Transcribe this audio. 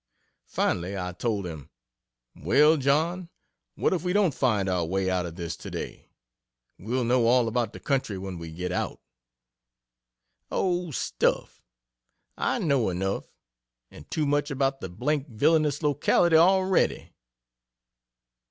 Finally I told him "Well, John, what if we don't find our way out of this today we'll know all about the country when we do get out." "Oh stuff I know enough and too much about the d d villainous locality already."